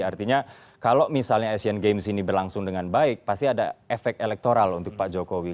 artinya kalau misalnya asian games ini berlangsung dengan baik pasti ada efek elektoral untuk pak jokowi